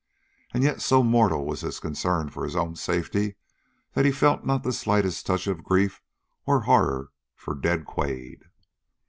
And yet so mortal was his concern for his own safety that he felt not the slightest touch of grief or horror for dead Quade.